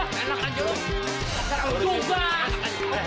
kalahkan aja dengan gua